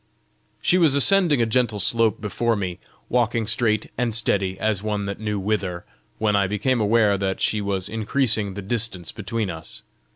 She was ascending a gentle slope before me, walking straight and steady as one that knew whither, when I became aware that she was increasing the distance between us.